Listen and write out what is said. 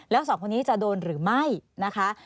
แล้วสองคนนี้จะโดนหรือไม่นะคะ